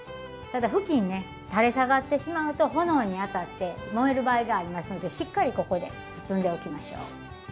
ただ布巾ね垂れ下がってしまうと炎に当たって燃える場合がありますんでしっかりここで包んでおきましょう。